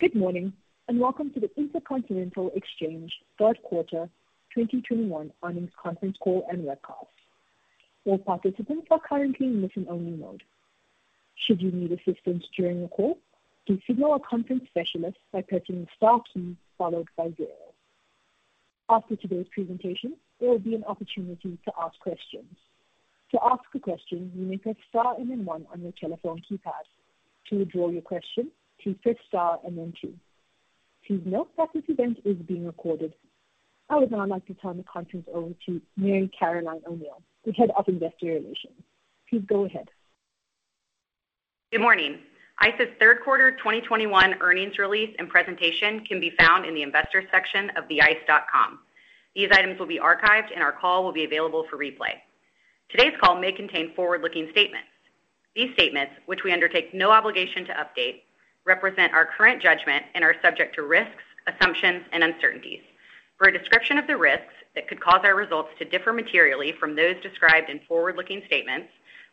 Good morning, and welcome to the Intercontinental Exchange Q3 2021 earnings Conference Call and Webcast. All participants are currently in listen-only mode. Should you need assistance during the call, please signal our conference specialist by pressing star key followed by zero. After today's presentation, there will be an opportunity to ask questions. To ask a question, you may press star and then one on your telephone keypad. To withdraw your question, please press star and then two. Please note that this event is being recorded. I would now like to turn the conference over to Mary Caroline O'Neal, Head of Investor Relations. Please go ahead. Good morning. ICE's Q3 2021 earnings release and presentation can be found in the investors section of theice.com. These items will be archived and our call will be available for replay. Today's call may contain forward-looking statements. These statements, which we undertake no obligation to update, represent our current judgment and are subject to risks, assumptions, and uncertainties. For a description of the risks that could cause our results to differ materially from those described in forward-looking statements,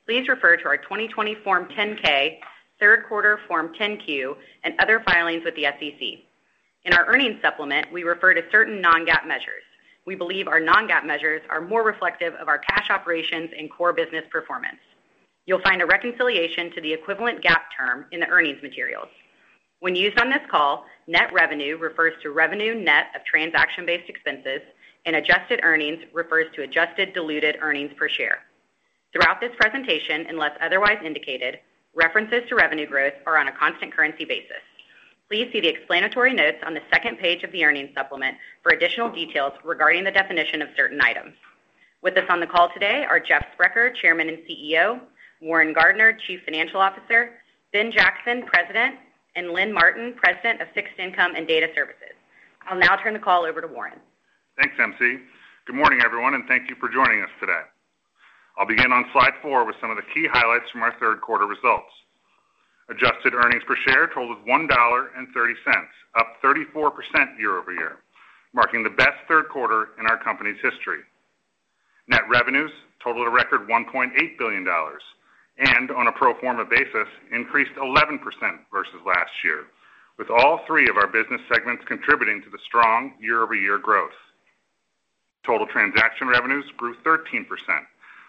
please refer to our 2020 Form 10-K, Q3 Form 10-Q, and other filings with the SEC. In our earnings supplement, we refer to certain non-GAAP measures. We believe our non-GAAP measures are more reflective of our cash operations and core business performance. You'll find a reconciliation to the equivalent GAAP term in the earnings materials. When used on this call, net revenue refers to revenue net of transaction-based expenses, and adjusted earnings refers to adjusted diluted earnings per share. Throughout this presentation, unless otherwise indicated, references to revenue growth are on a constant currency basis. Please see the explanatory notes on the second page of the earnings supplement for additional details regarding the definition of certain items. With us on the call today are Jeff Sprecher, Chairman and CEO, Warren Gardiner, Chief Financial Officer, Ben Jackson, President, and Lynn Martin, President of Fixed Income and Data Services. I'll now turn the call over to Warren. Thanks, MC. Good morning, everyone, and thank you for joining us today. I'll begin on slide four with some of the key highlights from our Q3 results. Adjusted earnings per share totalled $1.30, up 34% year-over-year, marking the best Q3 in our company's history. Net revenues totalled a record $1.8 billion and on a pro forma basis, increased 11% versus last year, with all three of our business segments contributing to the strong year-over-year growth. Total transaction revenues grew 13%,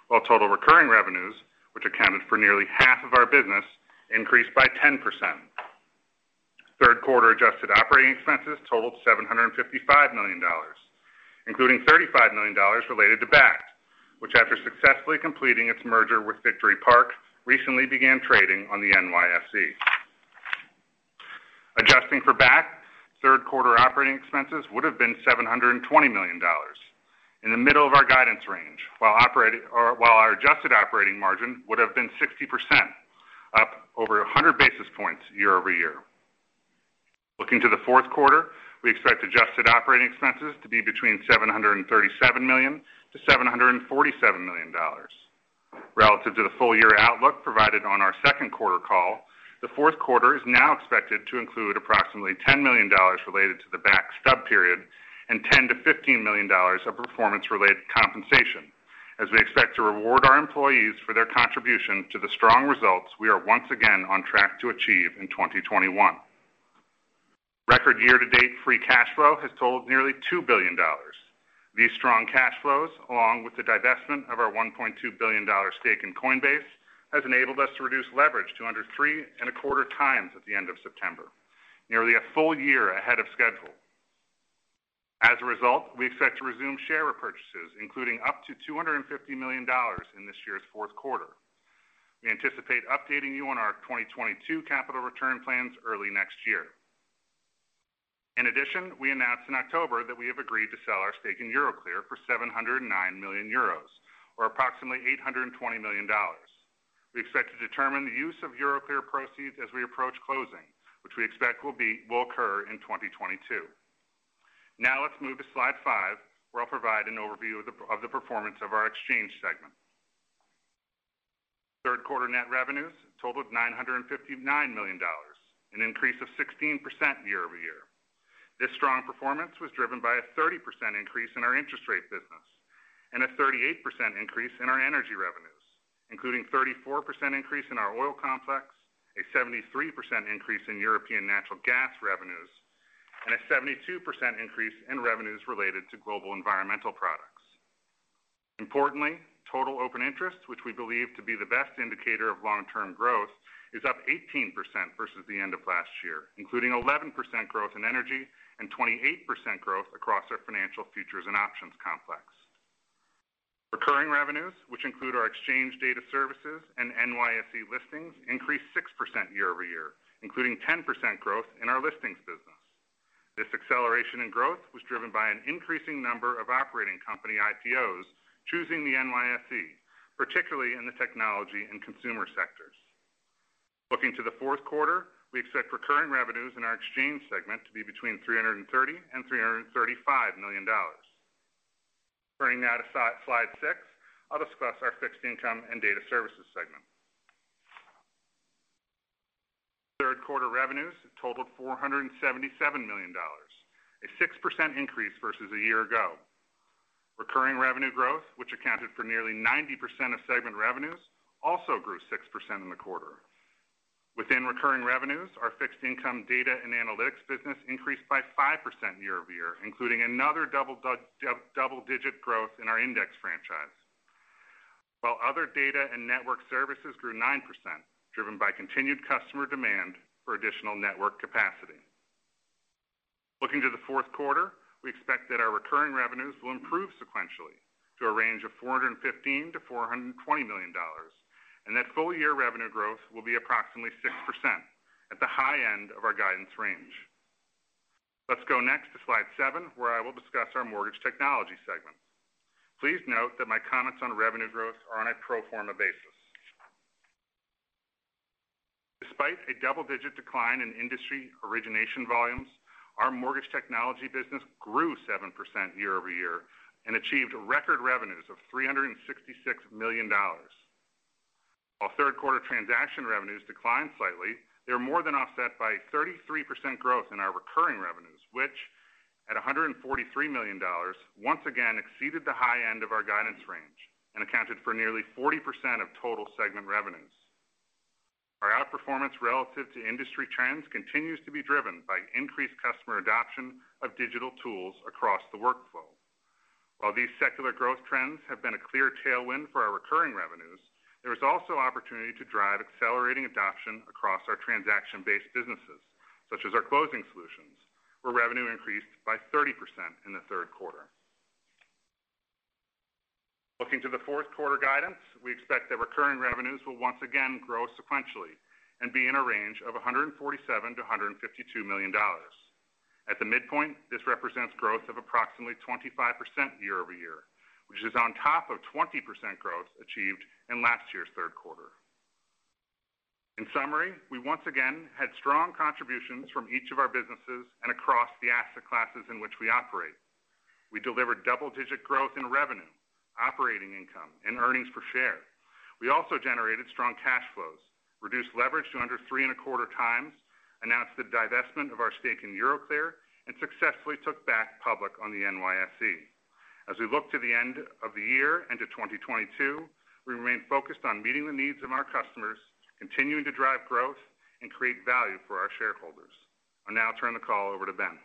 while total recurring revenues, which accounted for nearly half of our business, increased by 10%. Q3 adjusted operating expenses totalled $755 million, including $35 million related to Bakkt, which after successfully completing its merger with Victory Park, recently began trading on the NYSE. Adjusting for Bakkt, Q3 operating expenses would have been $720 million in the middle of our guidance range, while our adjusted operating margin would have been 60%, up over 100 basis points year-over-year. Looking to the Q4, we expect adjusted operating expenses to be between $737 million-$747 million. Relative to the full-year outlook provided on our Q2 call, the Q4 is now expected to include approximately $10 million related to the Bakkt stub period and $10 million-$15 million of performance-related compensation as we expect to reward our employees for their contribution to the strong results we are once again on track to achieve in 2021. Record year-to-date free cash flow has totalled nearly $2 billion. These strong cash flows, along with the divestment of our $1.2 billion stake in Coinbase, has enabled us to reduce leverage to under 3.25X at the end of September, nearly a full year ahead of schedule. As a result, we expect to resume share repurchases, including up to $250 million in this year's Q4. We anticipate updating you on our 2022 capital return plans early next year. In addition, we announced in October that we have agreed to sell our stake in Euroclear for 709 million euros, or approximately $820 million. We expect to determine the use of Euroclear proceeds as we approach closing, which we expect will occur in 2022. Now, let's move to slide five, where I'll provide an overview of the performance of our exchange segment.Q3 net revenues totalled $959 million, an increase of 16% year-over-year. This strong performance was driven by a 30% increase in our interest rate business and a 38% increase in our energy revenues, including 34% increase in our oil complex, a 73% increase in European natural gas revenues, and a 72% increase in revenues related to global environmental products. Importantly, total open interest, which we believe to be the best indicator of long-term growth, is up 18% versus the end of last year, including 11% growth in energy and 28% growth across our financial futures and options complex. Recurring revenues, which include our exchange data services and NYSE listings, increased 6% year-over-year, including 10% growth in our listings business. This acceleration in growth was driven by an increasing number of operating company IPOs choosing the NYSE, particularly in the technology and consumer sectors. Looking to the Q4, we expect recurring revenues in our exchange segment to be between $330 million and $335 million. Turning now to slide six, I'll discuss our fixed income and data services segment. Q3 revenues totalled $477 million, a 6% increase versus a year ago. Recurring revenue growth, which accounted for nearly 90% of segment revenues, also grew 6% in the quarter. Within recurring revenues, our fixed income data and analytics business increased by 5% year-over-year, including another double-digit growth in our index franchise. While other data and network services grew 9%, driven by continued customer demand for additional network capacity. Looking to the Q4, we expect that our recurring revenues will improve sequentially to a range of $415 million-$420 million, and that full year revenue growth will be approximately 6% at the high end of our guidance range. Let's go next to slide seven, where I will discuss our Mortgage Technology segment. Please note that my comments on revenue growth are on a pro forma basis. Despite a double-digit decline in industry origination volumes, our Mortgage Technology business grew 7% year-over-year and achieved record revenues of $366 million. While Q3 transaction revenues declined slightly, they were more than offset by 33% growth in our recurring revenues, which at $143 million, once again exceeded the high end of our guidance range and accounted for nearly 40% of total segment revenues. Our outperformance relative to industry trends continues to be driven by increased customer adoption of digital tools across the workflow. While these secular growth trends have been a clear tailwind for our recurring revenues, there is also opportunity to drive accelerating adoption across our transaction-based businesses, such as our closing solutions, where revenue increased by 30% in the Q3. Looking to the Q4 guidance, we expect that recurring revenues will once again grow sequentially and be in a range of $147 million-$152 million. At the midpoint, this represents growth of approximately 25% year-over-year, which is on top of 20% growth achieved in last year's Q3. In summary, we once again had strong contributions from each of our businesses and across the asset classes in which we operate. We delivered double-digit growth in revenue, operating income, and earnings per share. We also generated strong cash flows, reduced leverage to under 3.25x, announced the divestment of our stake in Euroclear, and successfully took Bakkt public on the NYSE. As we look to the end of the year into 2022, we remain focused on meeting the needs of our customers, continuing to drive growth, and create value for our shareholders. I'll now turn the call over to Ben.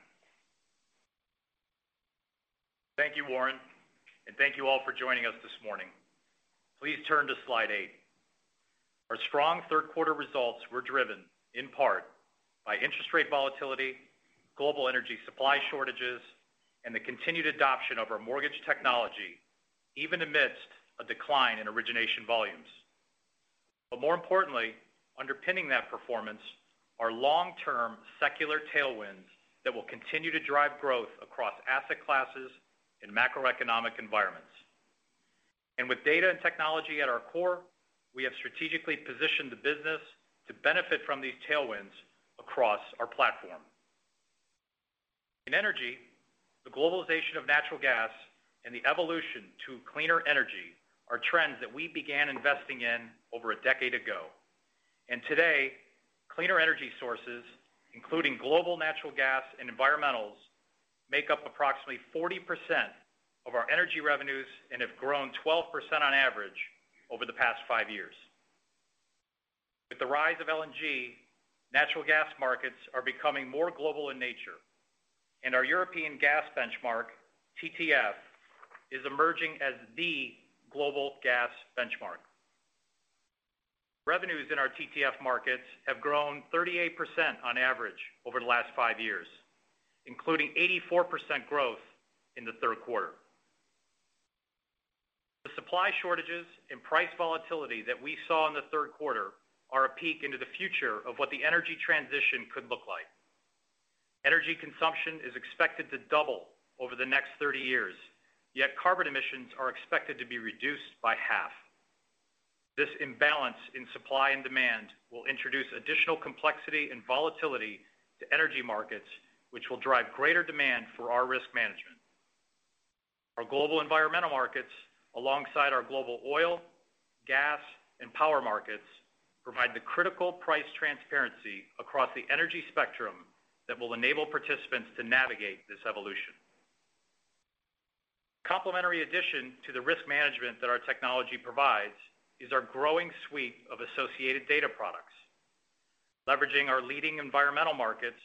Thank you, Warren, and thank you all for joining us this morning. Please turn to slide eight. Our strong Q3 results were driven in part by interest rate volatility, global energy supply shortages, and the continued adoption of our mortgage technology, even amidst a decline in origination volumes. More importantly, underpinning that performance are long-term secular tailwinds that will continue to drive growth across asset classes and macroeconomic environments. With data and technology at our core, we have strategically positioned the business to benefit from these tailwinds across our platform. In energy, the globalization of natural gas and the evolution to cleaner energy are trends that we began investing in over a decade ago. Today, cleaner energy sources, including global natural gas and environmentals, make up approximately 40% of our energy revenues and have grown 12% on average over the past five years. With the rise of LNG, natural gas markets are becoming more global in nature, and our European gas benchmark, TTF, is emerging as the global gas benchmark. Revenues in our TTF markets have grown 38% on average over the last five years, including 84% growth in the Q3. The supply shortages and price volatility that we saw in the Q3 are a peek into the future of what the energy transition could look like. Energy consumption is expected to double over the next 30 years, yet carbon emissions are expected to be reduced by half. This imbalance in supply and demand will introduce additional complexity and volatility to energy markets, which will drive greater demand for our risk management. Our global environmental markets, alongside our global oil, gas, and power markets, provide the critical price transparency across the energy spectrum that will enable participants to navigate this evolution. Complementary addition to the risk management that our technology provides is our growing suite of associated data products. Leveraging our leading environmental markets,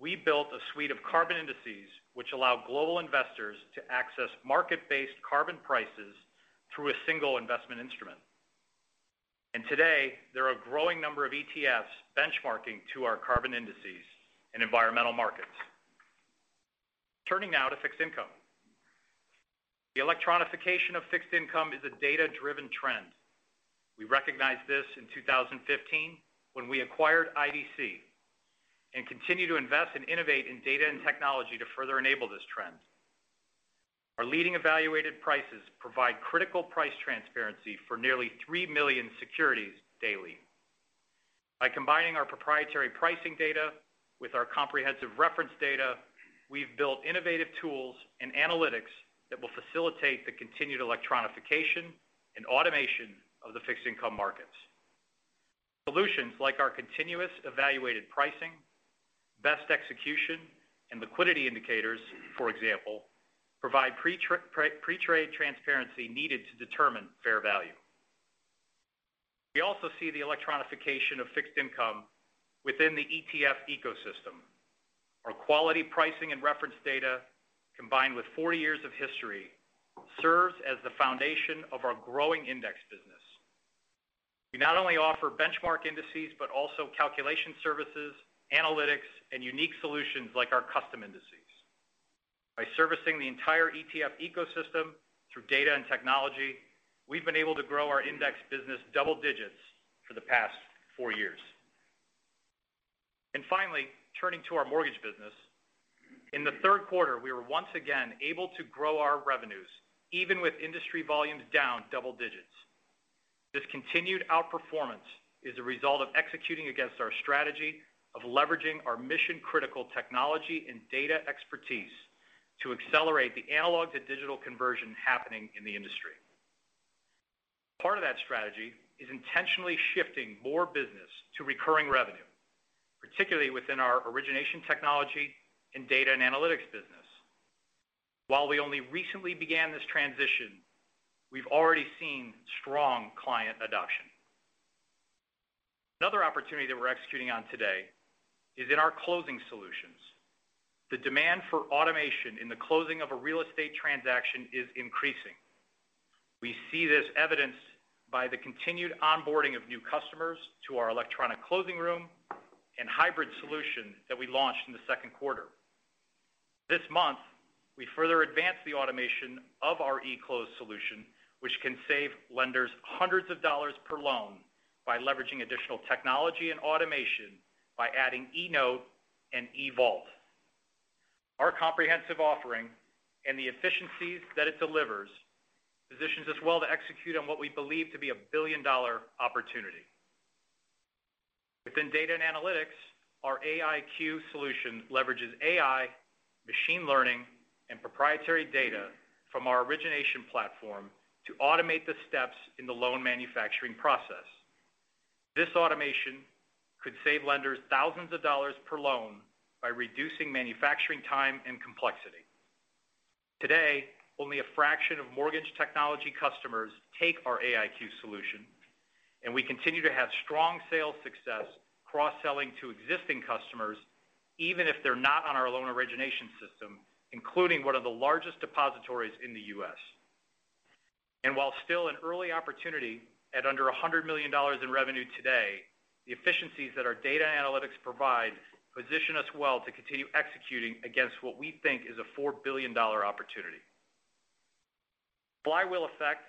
we built a suite of carbon indices which allow global investors to access market-based carbon prices through a single investment instrument. Today, there are a growing number of ETFs benchmarking to our carbon indices in environmental markets. Turning now to fixed income. The electronification of fixed income is a data-driven trend. We recognized this in 2015 when we acquired IDC and continue to invest and innovate in data and technology to further enable this trend. Our leading evaluated prices provide critical price transparency for nearly 3 million securities daily. By combining our proprietary pricing data with our comprehensive reference data, we've built innovative tools and analytics that will facilitate the continued electronification and automation of the fixed income markets. Solutions like our continuous evaluated pricing, best execution, and liquidity indicators, for example, provide pre-trade transparency needed to determine fair value. We also see the electronification of fixed income within the ETF ecosystem. Our quality pricing and reference data, combined with 40 years of history, serves as the foundation of our growing index business. We not only offer benchmark indices, but also calculation services, analytics, and unique solutions like our custom indices. By servicing the entire ETF ecosystem through data and technology, we've been able to grow our index business double digits for the past four years. Finally, turning to our mortgage business. In the Q3, we were once again able to grow our revenues, even with industry volumes down double digits. This continued outperformance is a result of executing against our strategy of leveraging our mission-critical technology and data expertise to accelerate the analog-to-digital conversion happening in the industry. Part of that strategy is intentionally shifting more business to recurring revenue, particularly within our origination technology and data and analytics business. While we only recently began this transition, we've already seen strong client adoption. Another opportunity that we're executing on today is in our closing solutions. The demand for automation in the closing of a real estate transaction is increasing. We see this evidenced by the continued onboarding of new customers to our electronic closing room and hybrid solution that we launched in the Q2. This month, we further advanced the automation of our eClose solution, which can save lenders hundreds of dollars per loan by leveraging additional technology and automation by adding eNote and eVault. Our comprehensive offering and the efficiencies that it delivers positions us well to execute on what we believe to be a billion-dollar opportunity. Within data and analytics, our AIQ solution leverages AI, machine learning, and proprietary data from our origination platform to automate the steps in the loan manufacturing process. This automation could save lenders thousands of dollars per loan by reducing manufacturing time and complexity. Today, only a fraction of mortgage technology customers take our AIQ solution, and we continue to have strong sales success cross-selling to existing customers, even if they're not on our loan origination system, including one of the largest depositories in the U.S. While still an early opportunity at under $100 million in revenue today, the efficiencies that our data analytics provide position us well to continue executing against what we think is a $4 billion opportunity. Flywheel effect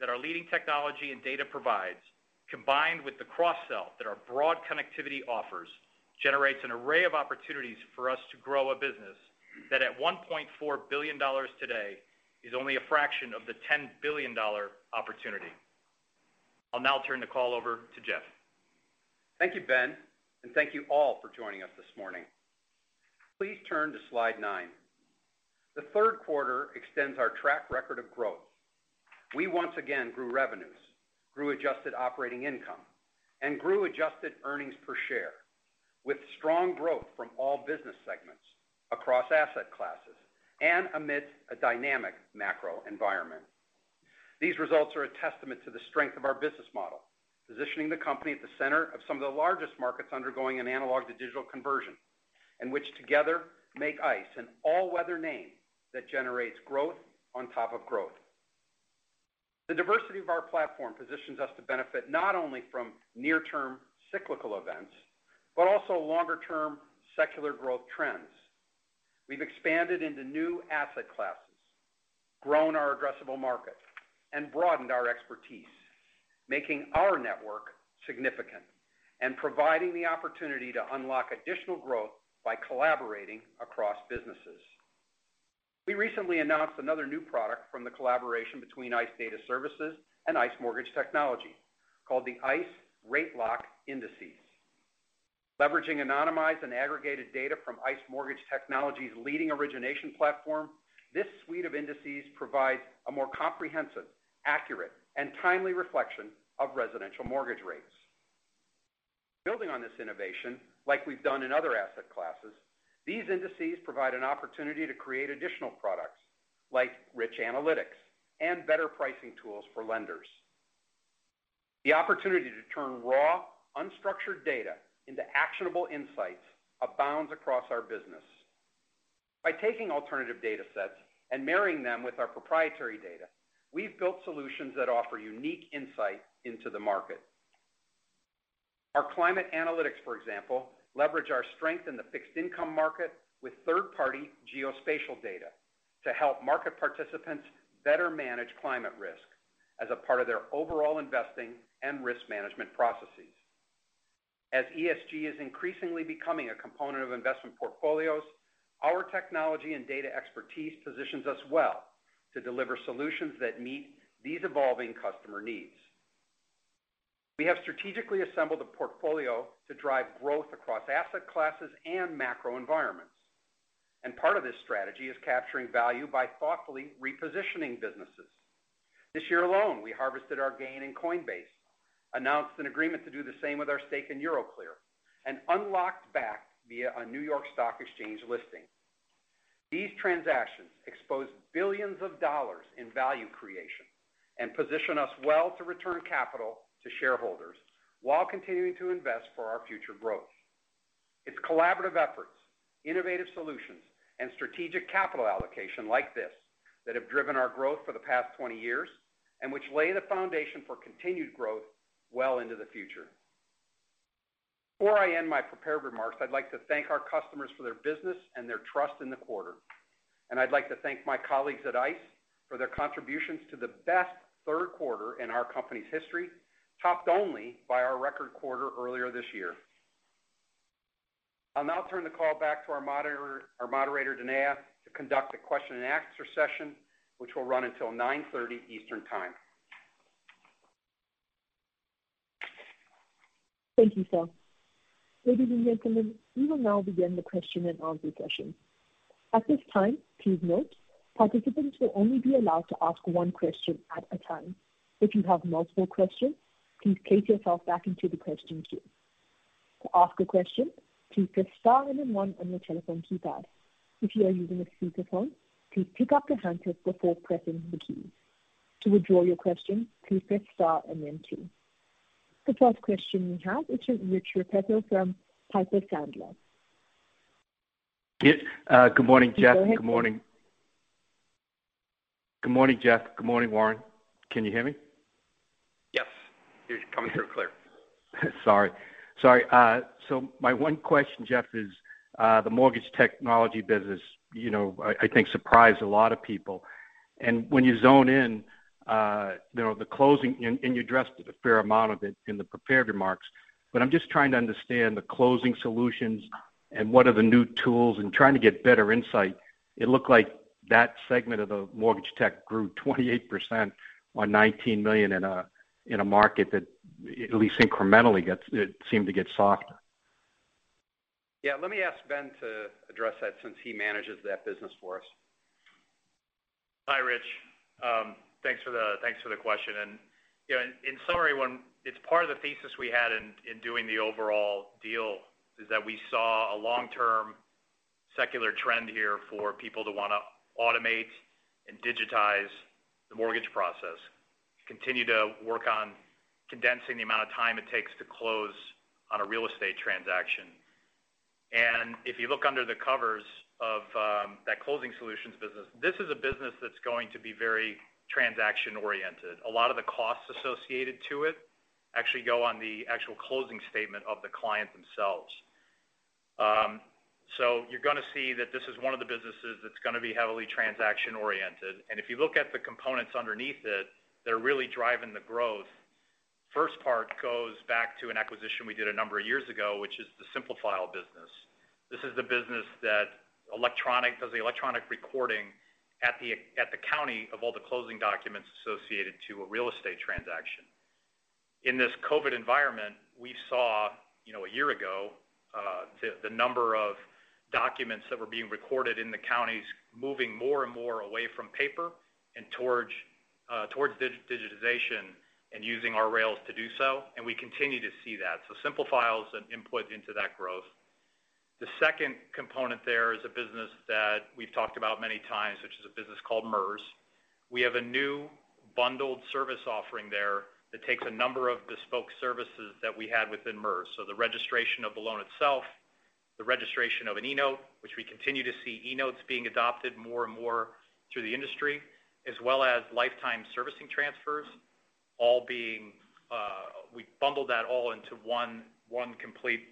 that our leading technology and data provides, combined with the cross-sell that our broad connectivity offers, generates an array of opportunities for us to grow a business that at $1.4 billion today is only a fraction of the $10 billion opportunity. I'll now turn the call over to Jeff. Thank you, Ben, and thank you all for joining us this morning. Please turn to slide nine. The Q3 extends our track record of growth. We once again grew revenues, grew adjusted operating income, and grew adjusted earnings per share with strong growth from all business segments across asset classes and amidst a dynamic macro environment. These results are a testament to the strength of our business model, positioning the company at the center of some of the largest markets undergoing an analog-to-digital conversion, and which together make ICE an all-weather name that generates growth on top of growth. The diversity of our platform positions us to benefit not only from near-term cyclical events, but also longer-term secular growth trends. We've expanded into new asset classes, grown our addressable market, and broadened our expertise, making our network significant and providing the opportunity to unlock additional growth by collaborating across businesses. We recently announced another new product from the collaboration between ICE Data Services and ICE Mortgage Technology called the ICE RateLock Indices. Leveraging anonymized and aggregated data from ICE Mortgage Technology's leading origination platform, this suite of indices provides a more comprehensive, accurate, and timely reflection of residential mortgage rates. Building on this innovation, like we've done in other asset classes, these indices provide an opportunity to create additional products like rich analytics and better pricing tools for lenders. The opportunity to turn raw, unstructured data into actionable insights abounds across our business. By taking alternative data sets and marrying them with our proprietary data, we've built solutions that offer unique insight into the market. Our climate analytics, for example, leverage our strength in the fixed-income market with third-party geospatial data to help market participants better manage climate risk as a part of their overall investing and risk management processes. As ESG is increasingly becoming a component of investment portfolios, our technology and data expertise positions us well to deliver solutions that meet these evolving customer needs. We have strategically assembled a portfolio to drive growth across asset classes and macro environments. Part of this strategy is capturing value by thoughtfully repositioning businesses. This year alone, we harvested our gain in Coinbase, announced an agreement to do the same with our stake in Euroclear, and unlocked Bakkt via a New York Stock Exchange listing. These transactions exposed $ billions in value creation and position us well to return capital to shareholders while continuing to invest for our future growth. It's collaborative efforts, innovative solutions, and strategic capital allocation like this that have driven our growth for the past 20 years, and which lay the foundation for continued growth well into the future. Before I end my prepared remarks, I'd like to thank our customers for their business and their trust in the quarter. I'd like to thank my colleagues at ICE for their contributions to the best Q3 in our company's history, topped only by our record quarter earlier this year. I'll now turn the call back to our moderator, Danae, to conduct a question and answer session, which will run until 9:30 A.M. Eastern Time. Thank you, sir. Ladies and gentlemen, we will now begin the question and answer session. At this time, please note, participants will only be allowed to ask one question at a time. If you have multiple questions, please place yourself back into the question queue. To ask a question, please press star and then one on your telephone keypad. If you are using a speakerphone, please pick up your handset before pressing the keys. To withdraw your question, please press star and then two. The first question we have is from Rich Repetto from Piper Sandler. Yeah. Good morning, Jeff. Good morning. Good morning, Jeff. Good morning, Warren. Can you hear me? Yes. You're coming through clear. My one question, Jeff, is the mortgage technology business. You know, I think it surprised a lot of people. When you zoom in, you know, on the closing and you addressed a fair amount of it in the prepared remarks, but I'm just trying to understand the closing solutions and what are the new tools and trying to get better insight. It looked like that segment of the mortgage tech grew 28% on $19 million in a market that at least incrementally, it seemed to get softer. Yeah. Let me ask Ben to address that since he manages that business for us. Hi, Rich. Thanks for the question. In summary, when it's part of the thesis we had in doing the overall deal is that we saw a long-term secular trend here for people to want to automate and digitize the mortgage process, continue to work on condensing the amount of time it takes to close on a real estate transaction. If you look under the covers of that closing solutions business, this is a business that's going to be very transaction-oriented. A lot of the costs associated to it actually go on the actual closing statement of the client themselves. So you're going to see that this is one of the businesses that's going to be heavily transaction-oriented. If you look at the components underneath it, they're really driving the growth. First part goes back to an acquisition we did a number of years ago, which is the Simplifile business. This is the business that does the electronic recording at the county of all the closing documents associated to a real estate transaction. In this COVID environment, we saw, you know, a year ago, the number of documents that were being recorded in the counties moving more and more away from paper and towards digitization and using our rails to do so, and we continue to see that. Simplifile's an input into that growth. The second component there is a business that we've talked about many times, which is a business called MERS. We have a new bundled service offering there that takes a number of bespoke services that we had within MERS. The registration of the loan itself, the registration of an eNote, which we continue to see eNotes being adopted more and more through the industry, as well as lifetime servicing transfers, all being. We bundled that all into one complete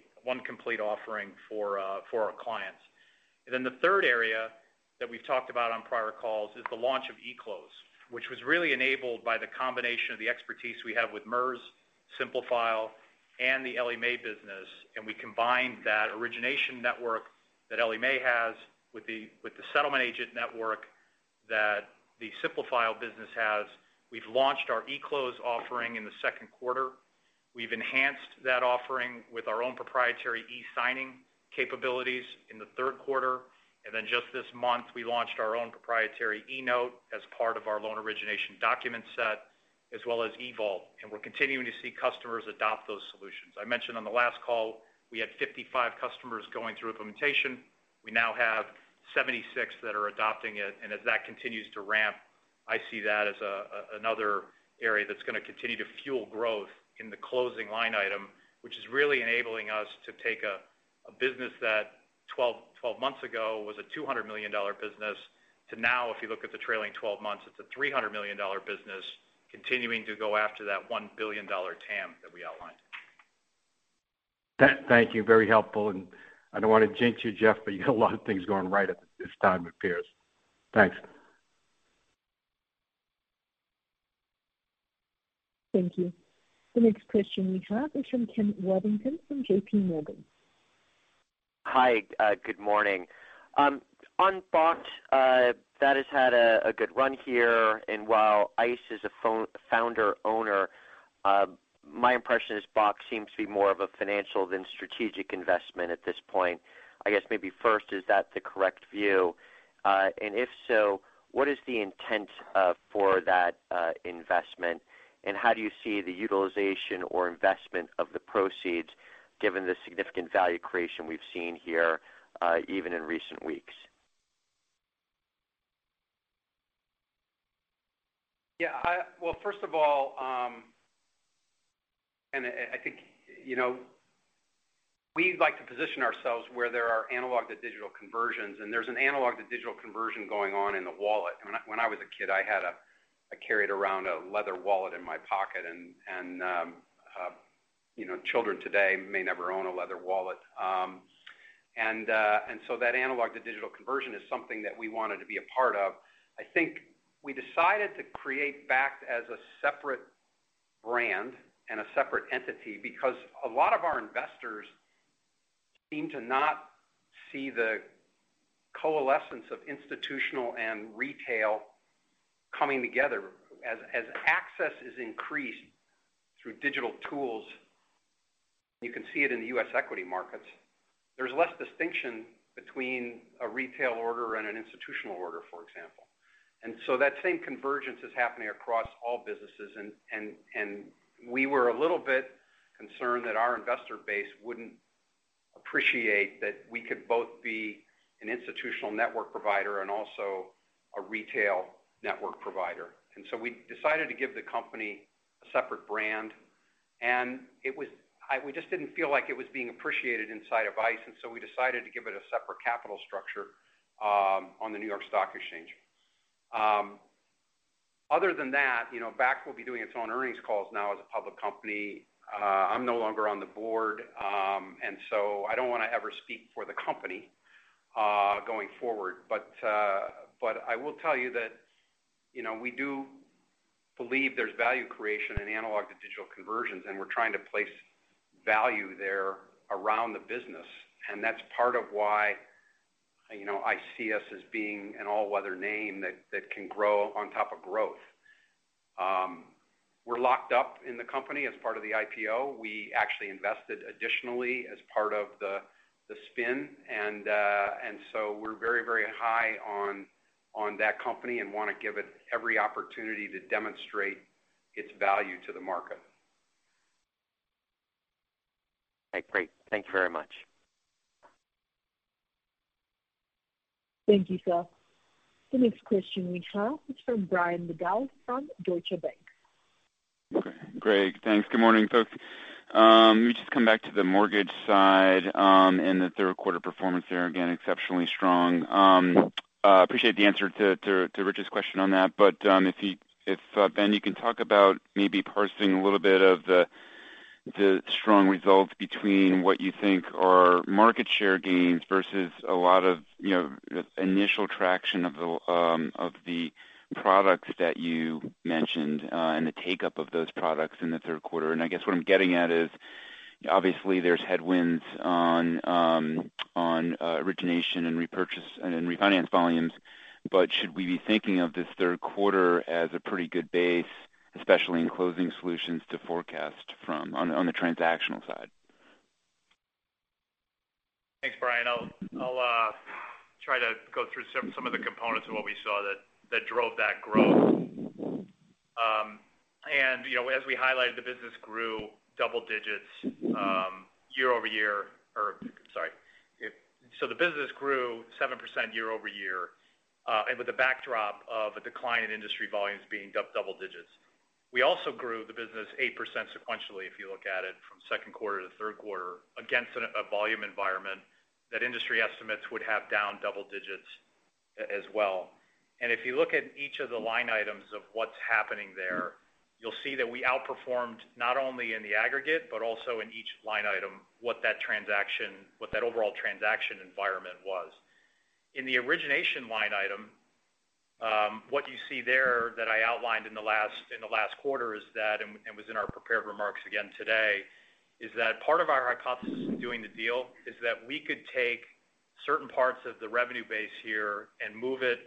offering for our clients. The third area that we've talked about on prior calls is the launch of eClose, which was really enabled by the combination of the expertise we have with MERS, Simplifile, and the Ellie Mae business. We combined that origination network that Ellie Mae has with the settlement agent network that the Simplifile business has. We've launched our eClose offering in the Q2. We've enhanced that offering with our own proprietary e-signing capabilities in the Q3. Then just this month, we launched our own proprietary eNote as part of our loan origination document set, as well as eVault. We're continuing to see customers adopt those solutions. I mentioned on the last call, we had 55 customers going through implementation. We now have 76 that are adopting it. As that continues to ramp, I see that as another area that's going to continue to fuel growth in the closing line item, which is really enabling us to take a business that twelve months ago was a $200 million business to now, if you look at the trailing twelve months, it's a $300 million business continuing to go after that $1 billion TAM that we outlined. Thank you. Very helpful. I don't want to jinx you, Jeff, but you got a lot of things going right at this time, it appears. Thanks. Thank you. The next question we have is from Ken Worthington from JPMorgan. Hi. Good morning. On Bakkt, that has had a good run here. While ICE is a founder owner. My impression is Bakkt seems to be more of a financial than strategic investment at this point. I guess maybe first, is that the correct view? If so, what is the intent for that investment, and how do you see the utilization or investment of the proceeds given the significant value creation we've seen here, even in recent weeks? Well, first of all, I think, you know, we like to position ourselves where there are analog-to-digital conversions, and there's an analog-to-digital conversion going on in the wallet. When I was a kid, I carried around a leather wallet in my pocket and, you know, children today may never own a leather wallet. That analog-to-digital conversion is something that we wanted to be a part of. I think we decided to create Bakkt as a separate brand and a separate entity because a lot of our investors seem to not see the coalescence of institutional and retail coming together. As access is increased through digital tools, you can see it in the U.S. equity markets. There's less distinction between a retail order and an institutional order, for example. That same convergence is happening across all businesses and we were a little bit concerned that our investor base wouldn't appreciate that we could both be an institutional network provider and also a retail network provider. We decided to give the company a separate brand. We just didn't feel like it was being appreciated inside of ICE, and we decided to give it a separate capital structure on the New York Stock Exchange. Other than that, you know, Bakkt will be doing its own earnings calls now as a public company. I'm no longer on the board, and I don't want to ever speak for the company going forward. I will tell you that, you know, we do believe there's value creation in analog-to-digital conversions, and we're trying to place value there around the business. That's part of why, you know, I see us as being an all-weather name that can grow on top of growth. We're locked up in the company as part of the IPO. We actually invested additionally as part of the spin. We're very high on that company and want to give it every opportunity to demonstrate its value to the market. Okay. Great. Thank you very much. Thank you, sir. The next question we have is from Brian Bedell from Deutsche Bank. Okay. Greg, thanks. Good morning, folks. Let me just come back to the mortgage side, and the Q3 performance there, again, exceptionally strong. Appreciate the answer to Rich's question on that. If Ben, you can talk about maybe parsing a little bit of the strong results between what you think are market share gains versus a lot of, you know, initial traction of the products that you mentioned, and the take-up of those products in the Q3. I guess what I'm getting at is, obviously there's headwinds on origination and repurchase and in refinance volumes, but should we be thinking of this Q3 as a pretty good base, especially in closing solutions to forecast from on the transactional side? Thanks, Brian. I'll try to go through some of the components of what we saw that drove that growth. You know, as we highlighted, the business grew double digits year-over-year. So the business grew 7% year-over-year, and with the backdrop of a decline in industry volumes being down double digits. We also grew the business 8% sequentially, if you look at it from Q2 to Q3, against a volume environment that industry estimates would have down double digits as well. If you look at each of the line items of what's happening there, you'll see that we outperformed not only in the aggregate, but also in each line item, what that overall transaction environment was. In the origination line item, what you see there that I outlined in the last quarter is that was in our prepared remarks again today, is that part of our hypothesis doing the deal is that we could take certain parts of the revenue base here and move it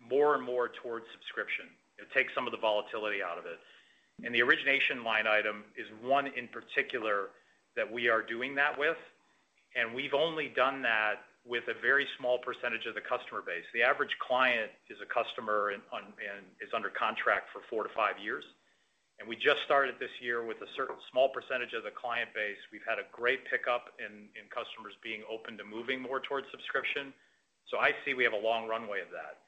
more and more towards subscription. It takes some of the volatility out of it. The origination line item is one in particular that we are doing that with. We've only done that with a very small percentage of the customer base. The average client is a customer and is under contract for four to five years. We just started this year with a certain small percentage of the client base. We've had a great pickup in customers being open to moving more towards subscription. I see we have a long runway of that.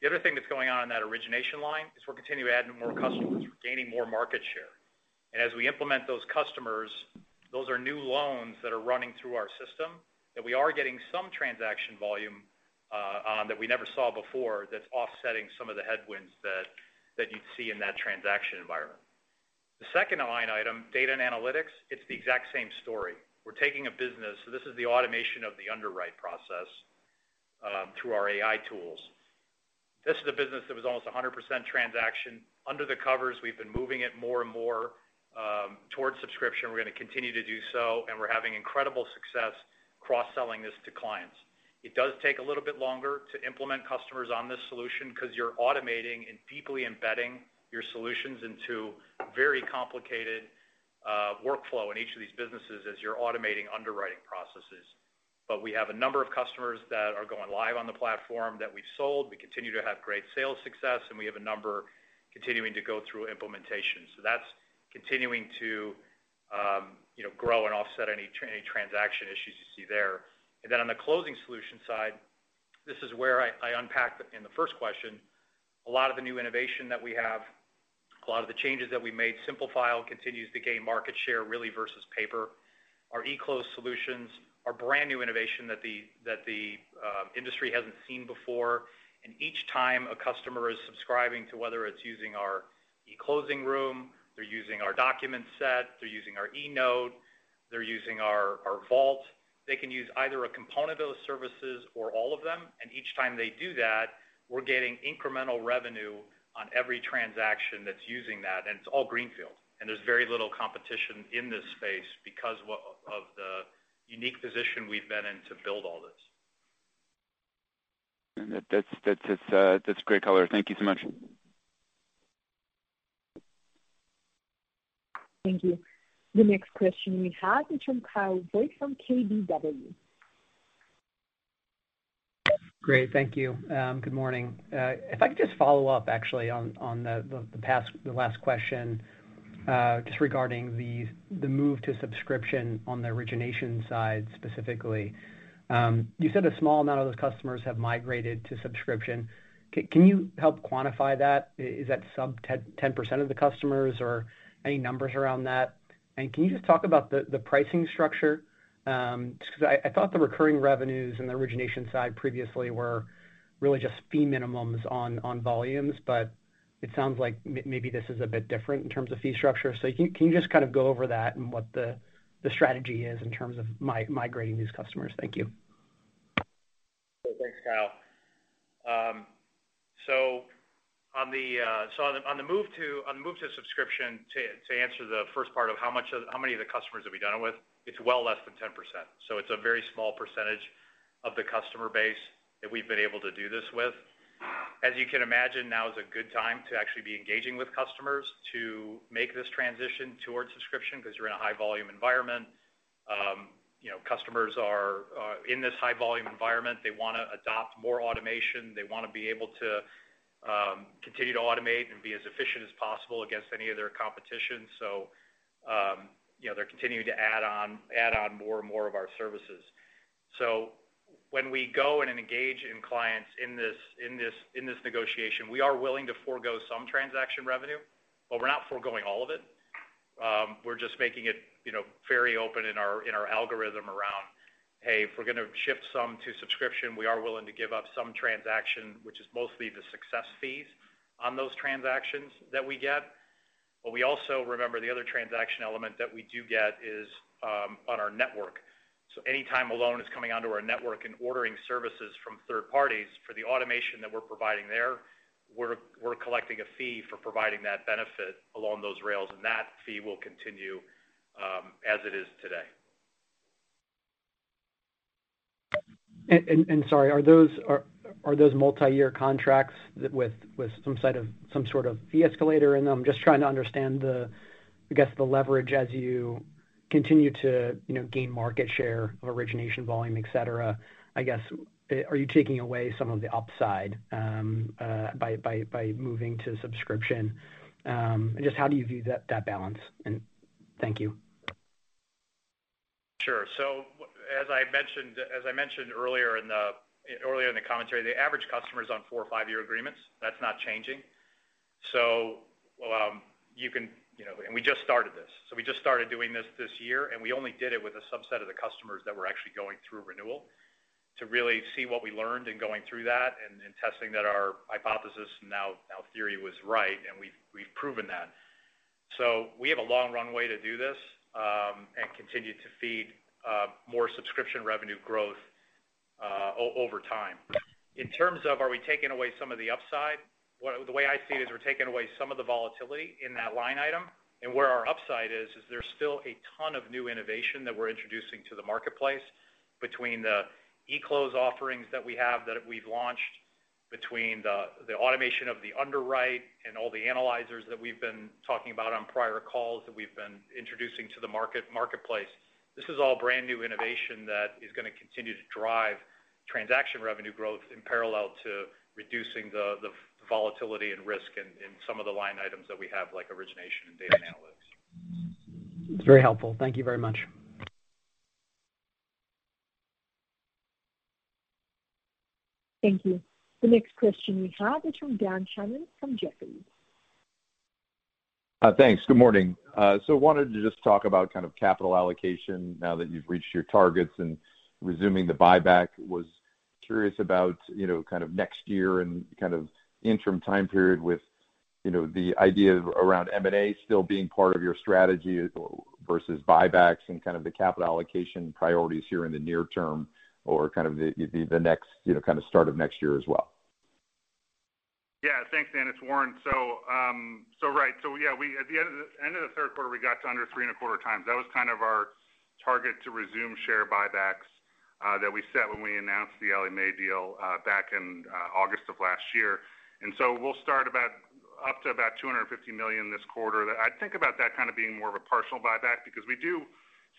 The other thing that's going on in that origination line is we're continuing to add more customers. We're gaining more market share. As we implement those customers, those are new loans that are running through our system, that we are getting some transaction volume that we never saw before that's offsetting some of the headwinds that you'd see in that transaction environment. The second line item, data and analytics, it's the exact same story. We're taking a business. This is the automation of the underwrite process through our AI tools. This is a business that was almost 100% transaction. Under the covers, we've been moving it more and more towards subscription, we're going to continue to do so, and we're having incredible success cross-selling this to clients. It does take a little bit longer to implement customers on this solution because you're automating and deeply embedding your solutions into very complicated workflow in each of these businesses as you're automating underwriting processes. We have a number of customers that are going live on the platform that we've sold. We continue to have great sales success, and we have a number continuing to go through implementation. That's continuing to you know grow and offset any transaction issues you see there. Then on the closing solution side, this is where I unpacked in the first question a lot of the new innovation that we have, a lot of the changes that we made. Simplifile continues to gain market share, really, versus paper. Our eClose solutions are brand new innovation that the industry hasn't seen before. Each time a customer is subscribing to whether it's using our eClose, they're using our document set, they're using our eNote, they're using our eVault. They can use either a component of those services or all of them. Each time they do that, we're getting incremental revenue on every transaction that's using that, and it's all greenfield. There's very little competition in this space because of the unique position we've been in to build all this. That's great color. Thank you so much. Thank you. The next question we have is from Kyle Voigt from KBW. Great. Thank you. Good morning. If I could just follow up actually on the last question just regarding the move to subscription on the origination side specifically. You said a small amount of those customers have migrated to subscription. Can you help quantify that? Is that sub 10% of the customers or any numbers around that? Then, can you just talk about the pricing structure? Just 'cause I thought the recurring revenues in the origination side previously were really just fee minimums on volumes, but it sounds like maybe this is a bit different in terms of fee structure. Can you just kind of go over that and what the strategy is in terms of migrating these customers? Thank you. Thanks, Kyle. On the move to subscription, to answer the first part of how many of the customers have we done it with, it's well less than 10%. It's a very small percentage of the customer base that we've been able to do this with. As you can imagine, now is a good time to actually be engaging with customers to make this transition towards subscription because you're in a high volume environment. You know, customers are in this high volume environment, they want to adopt more automation. They want to be able to continue to automate and be as efficient as possible against any of their competition. You know, they're continuing to add on more and more of our services. When we go in and engage in clients in this negotiation, we are willing to forgo some transaction revenue, but we're not foregoing all of it. We're just making it, you know, very open in our algorithm around, hey, if we're going to shift some to subscription, we are willing to give up some transaction, which is mostly the success fees on those transactions that we get, but we also remember the other transaction element that we do get is on our network. Any time a loan is coming onto our network and ordering services from third parties for the automation that we're providing there, we're collecting a fee for providing that benefit along those rails, and that fee will continue as it is today. Sorry, are those multi-year contracts with some sort of fee escalator in them? Just trying to understand the, I guess, the leverage as you continue to, you know, gain market share of origination volume, et cetera. I guess, are you taking away some of the upside by moving to subscription? Just how do you view that balance? Thank you. Sure. As I mentioned earlier in the commentary, the average customer is on 4- or 5-year agreements. That's not changing. We just started this. We just started doing this this year, and we only did it with a subset of the customers that were actually going through renewal to really see what we learned in going through that and testing that our hypothesis and now theory was right, and we've proven that. We have a long runway to do this, and continue to feed more subscription revenue growth over time. In terms of are we taking away some of the upside, the way I see it is we're taking away some of the volatility in that line item. Where our upside is, there's still a ton of new innovation that we're introducing to the marketplace between the eClose offerings that we have that we've launched, between the automation of the underwrite and all the analyzers that we've been talking about on prior calls that we've been introducing to the marketplace. This is all brand new innovation that is going to continue to drive transaction revenue growth in parallel to reducing the volatility and risk in some of the line items that we have, like origination and data analytics. It's very helpful. Thank you very much. Thank you. The next question we have is from Dan Fannon from Jefferies. Thanks. Good morning. I wanted to just talk about kind of capital allocation now that you've reached your targets and resuming the buyback. I was curious about, you know, kind of next year and kind of interim time period with, you know, the idea around M&A still being part of your strategy versus buybacks and kind of the capital allocation priorities here in the near term or kind of the next, you know, kind of start of next year as well. Thanks, Dan. It's Warren. Right, yeah, we at the end of the Q3 got to under 3.25x. That was kind of our target to resume share buybacks that we set when we announced the Ellie Mae deal back in August of last year. We'll start up to $250 million this quarter. I'd think about that kind of being more of a partial buyback because we do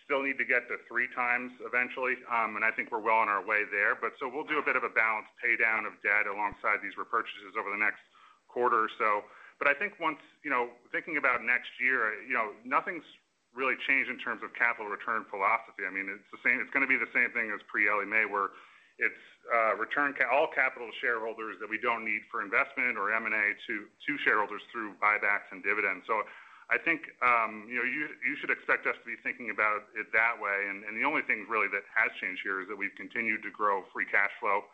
still need to get to 3x eventually, and I think we're well on our way there. We'll do a bit of a balanced pay down of debt alongside these repurchases over the next quarter or so. I think once you know, thinking about next year, you know, nothing's really changed in terms of capital return philosophy. I mean, it's going to be the same thing as pre-Ellie Mae, where it's return all capital to shareholders that we don't need for investment or M&A to shareholders through buybacks and dividends. I think you know you should expect us to be thinking about it that way. The only thing really that has changed here is that we've continued to grow free cash flow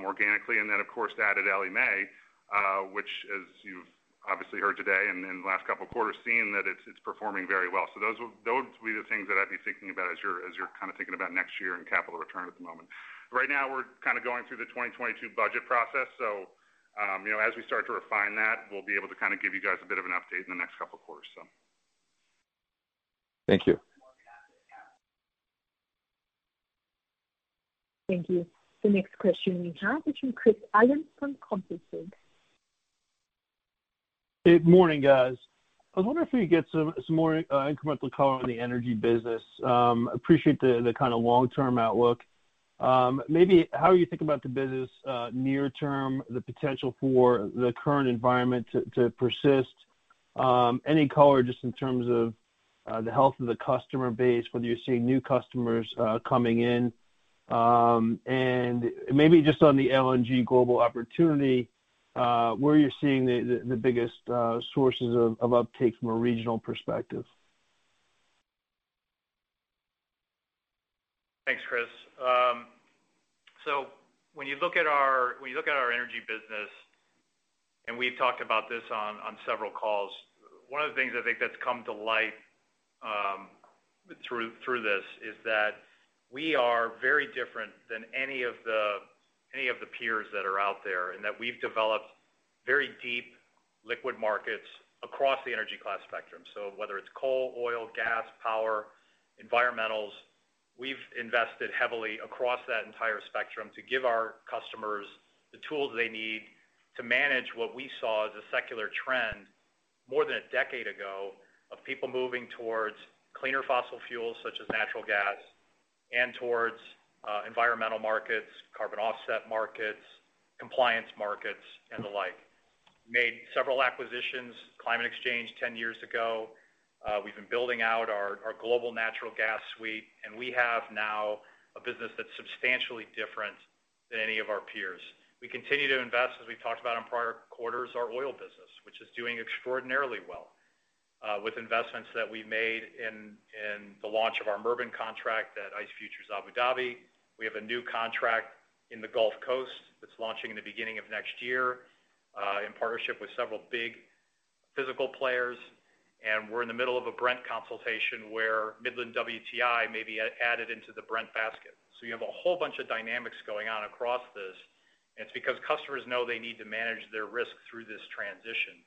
organically, and then of course added Ellie Mae, which as you've obviously heard today and in the last couple of quarters seen that it's performing very well. Those will be the things that I'd be thinking about as you're kind of thinking about next year and capital return at the moment. Right now, we're kind of going through the 2022 budget process. You know, as we start to refine that, we'll be able to kind of give you guys a bit of an update in the next couple of quarters, so. Thank you. Thank you. The next question we have is from Chris Allen from Compass Point. Good morning, guys. I was wondering if we could get some more incremental color on the energy business. I appreciate the kind of long-term outlook. Maybe how you think about the business near term, the potential for the current environment to persist, any color just in terms of the health of the customer base, whether you're seeing new customers coming in. Maybe just on the LNG global opportunity, where you're seeing the biggest sources of uptake from a regional perspective. Thanks, Chris. When you look at our energy business, and we've talked about this on several calls, one of the things I think that's come to light through this is that we are very different than any of the peers that are out there, and that we've developed very deep liquid markets across the energy class spectrum. Whether it's coal, oil, gas, power, environmentals, we've invested heavily across that entire spectrum to give our customers the tools they need to manage what we saw as a secular trend more than a decade ago of people moving towards cleaner fossil fuels such as natural gas and towards environmental markets, carbon offset markets, compliance markets, and the like, made several acquisitions, Chicago Climate Exchange 10 years ago. We've been building out our global natural gas suite, and we have now a business that's substantially different than any of our peers. We continue to invest, as we've talked about in prior quarters, our oil business, which is doing extraordinarily well, with investments that we made in the launch of our Murban contract at ICE Futures Abu Dhabi. We have a new contract in the Gulf Coast that's launching in the beginning of next year, in partnership with several big physical players. We're in the middle of a Brent consultation where Midland WTI may be added into the Brent basket. You have a whole bunch of dynamics going on across this, and it's because customers know they need to manage their risk through this transition.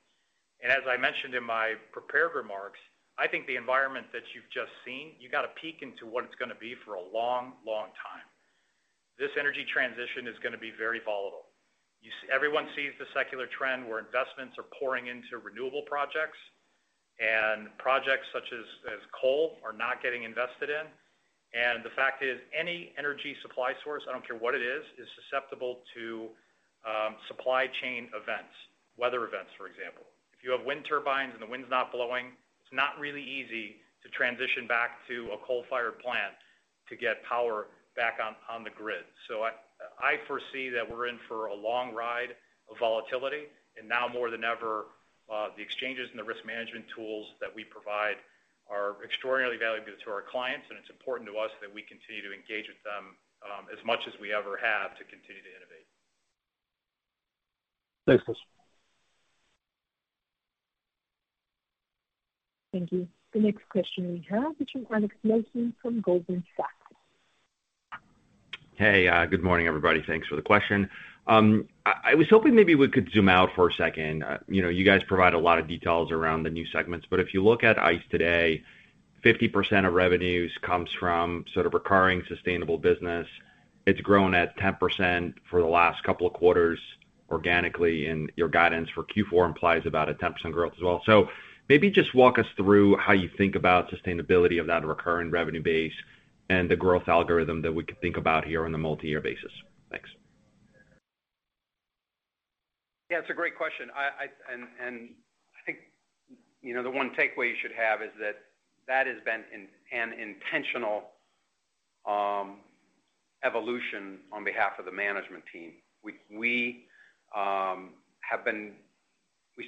As I mentioned in my prepared remarks, I think the environment that you've just seen, you got a peek into what it's going to be for a long, long time. This energy transition is going to be very volatile. Everyone sees the secular trend where investments are pouring into renewable projects, and projects such as coal are not getting invested in. The fact is, any energy supply source, I don't care what it is susceptible to supply chain events, weather events, for example. If you have wind turbines and the wind's not blowing, it's not really easy to transition back to a coal-fired plant to get power back on the grid. I foresee that we're in for a long ride of volatility. Now more than ever, the exchanges and the risk management tools that we provide are extraordinarily valuable to our clients, and it's important to us that we continue to engage with them, as much as we ever have to continue to innovate. Thanks, Chris. Thank you. The next question we have is from Alex Blostein from Goldman Sachs. Hey, good morning, everybody. Thanks for the question. I was hoping maybe we could zoom out for a second. You know, you guys provide a lot of details around the new segments, but if you look at ICE today, 50% of revenues comes from sort of recurring sustainable business. It's grown at 10% for the last couple of quarters organically, and your guidance for Q4 implies about a 10% growth as well. Maybe just walk us through how you think about sustainability of that recurring revenue base and the growth algorithm that we could think about here on a multi-year basis. Thanks. Yeah, it's a great question. I think, you know, the one takeaway you should have is that that has been an intentional evolution on behalf of the management team. We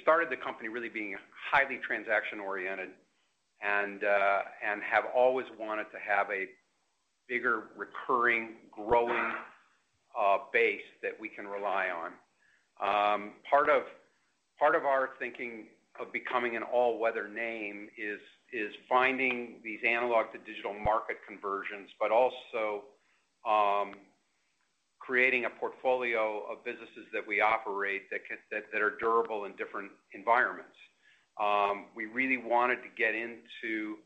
started the company really being highly transaction-oriented and have always wanted to have a bigger recurring, growing base that we can rely on. Part of our thinking of becoming an all-weather name is finding these analog-to-digital market conversions, but also creating a portfolio of businesses that we operate that are durable in different environments. We really wanted to get into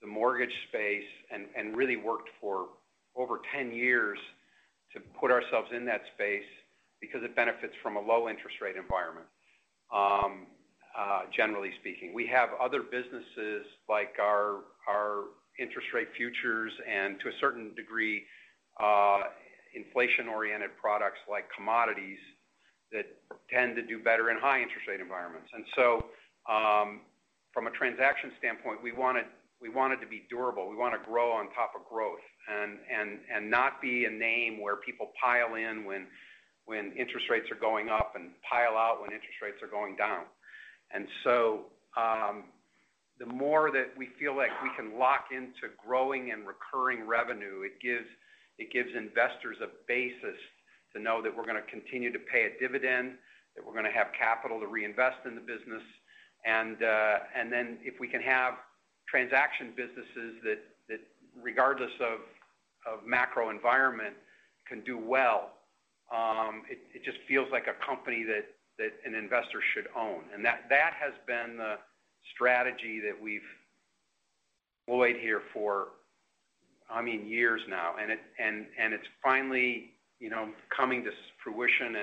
the mortgage space and really worked for over 10 years to put ourselves in that space because it benefits from a low interest rate environment, generally speaking. We have other businesses like our interest rate futures and to a certain degree, inflation-oriented products like commodities that tend to do better in high interest rate environments. From a transaction standpoint, we wanted, we want it to be durable. We want to grow on top of growth and not be a name where people pile in when interest rates are going up and pile out when interest rates are going down. The more that we feel like we can lock into growing and recurring revenue, it gives investors a basis to know that we're going to continue to pay a dividend, that we're going to have capital to reinvest in the business. If we can have transaction businesses that regardless of macro environment can do well, it just feels like a company that an investor should own. That has been the strategy that we've employed here for, I mean, years now, and it's finally, you know, coming to fruition.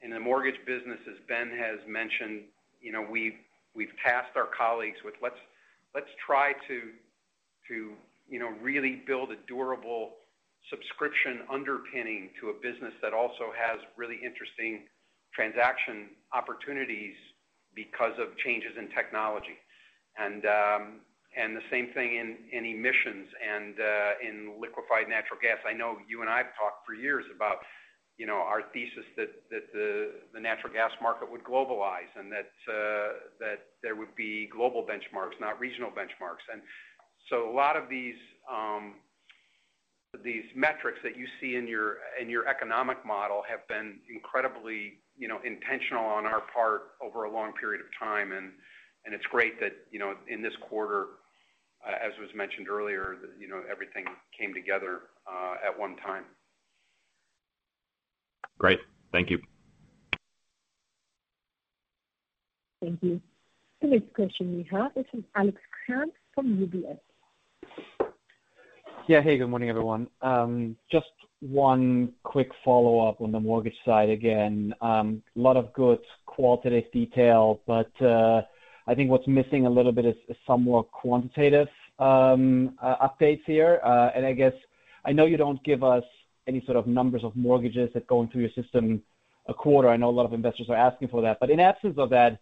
In the mortgage business, as Ben has mentioned, you know, we've tasked our colleagues with let's try to, you know, really build a durable subscription underpinning to a business that also has really interesting transaction opportunities because of changes in technology. The same thing in emissions and in liquefied natural gas. I know you and I have talked for years about, you know, our thesis that the natural gas market would globalize and that there would be global benchmarks, not regional benchmarks. A lot of these metrics that you see in your economic model have been incredibly, you know, intentional on our part over a long period of time. It's great that, you know, in this quarter, as was mentioned earlier, you know, everything came together at one time. Great. Thank you. Thank you. The next question we have is from Alex Kramm from UBS. Yeah. Hey, good morning, everyone. Just one quick follow-up on the mortgage side again. A lot of good qualitative detail, but I think what's missing a little bit is some more quantitative updates here. I guess I know you don't give us any sort of numbers of mortgages that go into your system a quarter. I know a lot of investors are asking for that. In absence of that,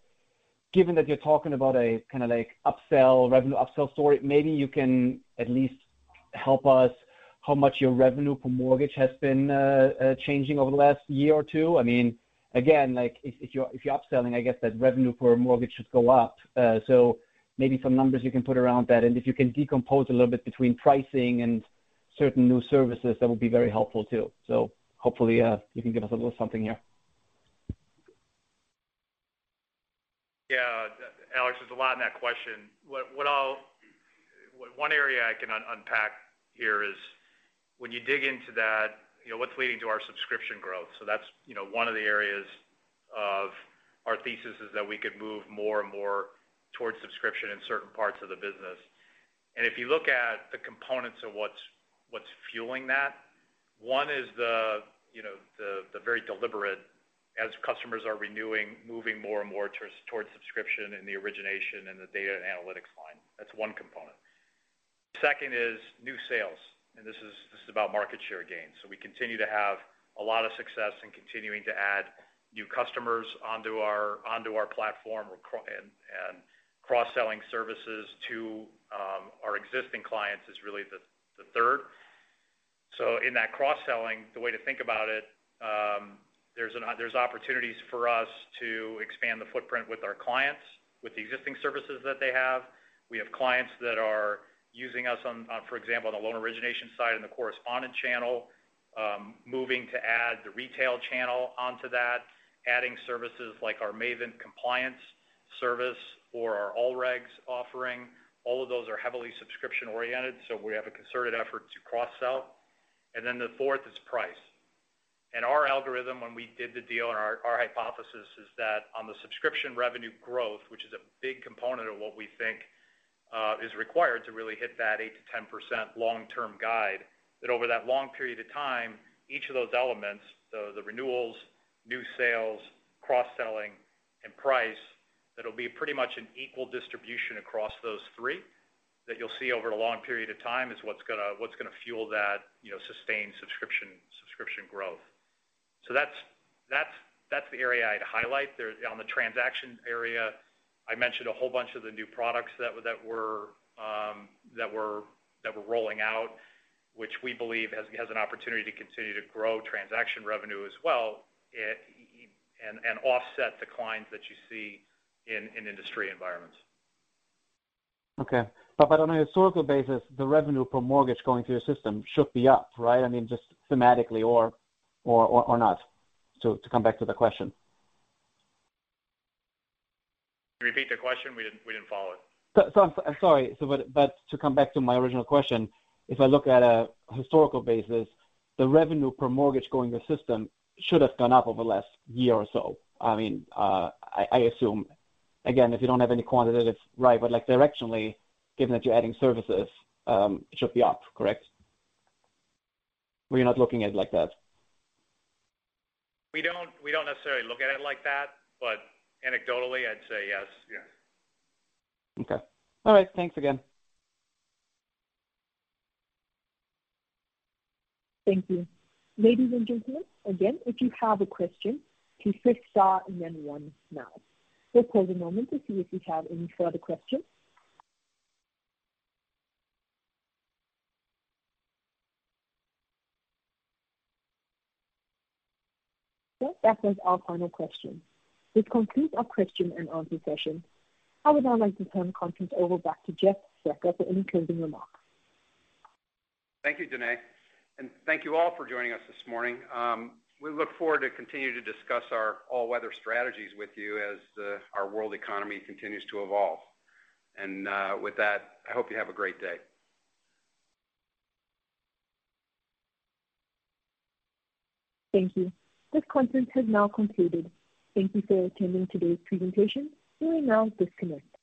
given that you're talking about a kind of like upsell revenue upsell story, maybe you can at least help us how much your revenue per mortgage has been changing over the last year or two. I mean, again, like if you're upselling, I guess that revenue per mortgage should go up. Maybe some numbers you can put around that. If you can decompose a little bit between pricing and certain new services, that would be very helpful too. Hopefully, you can give us a little something here. Yeah. Alex, there's a lot in that question. One area I can unpack here is when you dig into that, you know, what's leading to our subscription growth. That's, you know, one of the areas of our thesis is that we could move more and more towards subscription in certain parts of the business. If you look at the components of what's fueling that, one is the, you know, the very deliberate as customers are renewing, moving more and more towards subscription in the origination and the data and analytics line. That's one component. Second is new sales, and this is about market share gains. We continue to have a lot of success in continuing to add new customers onto our platform and cross-selling services to our existing clients is really the third. In that cross-selling, the way to think about it, there's opportunities for us to expand the footprint with our clients with the existing services that they have. We have clients that are using us on, for example, on the loan origination side and the correspondent channel, moving to add the retail channel onto that, adding services like our Mavent compliance service or our AllRegs offering. All of those are heavily subscription-oriented, so we have a concerted effort to cross-sell. The fourth is price. Our algorithm when we did the deal and our hypothesis is that on the subscription revenue growth, which is a big component of what we think is required to really hit that 8%-10% long-term guide, that over that long period of time, each of those elements, so the renewals, new sales, cross-selling, and price, that'll be pretty much an equal distribution across those three that you'll see over a long period of time is what's going to fuel that, you know, sustained subscription growth. That's the area I'd highlight. On the transaction area, I mentioned a whole bunch of the new products that we're rolling out, which we believe has an opportunity to continue to grow transaction revenue as well and offset declines that you see in industry environments. Okay. On a historical basis, the revenue per mortgage going through your system should be up, right? I mean, just thematically or not, to come back to the question. Can you repeat the question? We didn't follow it. I'm sorry. To come back to my original question, if I look at a historical basis, the revenue per mortgage going through the system should have gone up over the last year or so. I mean, I assume. Again, if you don't have any quantitative, right, but like directionally, given that you're adding services, it should be up, correct? Or you're not looking at it like that? We don't necessarily look at it like that, but anecdotally, I'd say yes. Yes. Okay. All right. Thanks again. Thank you. Ladies and gentlemen, again, if you have a question, please press star and then one now. We'll pause a moment to see if we have any further questions. That was our final question. This concludes our question and answer session. I would now like to turn the conference over back to Jeff Sprecher for any closing remarks. Thank you, Danae, and thank you all for joining us this morning. We look forward to continue to discuss our all-weather strategies with you as our world economy continues to evolve. With that, I hope you have a great day. Thank you. This conference has now concluded. Thank you for attending today's presentation. You may now disconnect.